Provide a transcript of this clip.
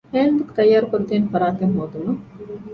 ހޭންޑްބުކް ތައްޔާރުކޮށްދޭނެ ފަރާތެއް ހޯދުމަށް